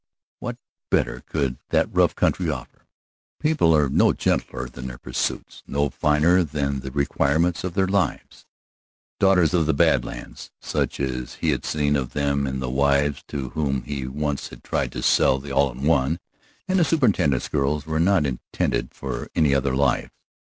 What better could that rough country offer? People are no gentler than their pursuits, no finer than the requirements of their lives. Daughters of the Bad Lands, such as he had seen of them in the wives to whom he once had tried to sell the All in One, and the superintendent's girls were not intended for any other life.